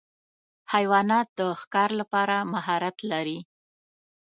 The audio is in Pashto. حیوانات د ښکار لپاره مهارت لري.